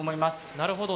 なるほど。